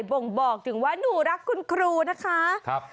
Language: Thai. บ่งบอกถึงว่าหนูรักคุณครูนะคะ